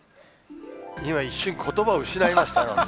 今、一瞬ことばを失いましたよ。